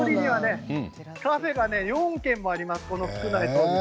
カフェが４軒もあります。